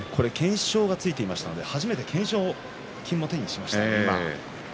これは懸賞がついていましたので初めて懸賞金を手にしました。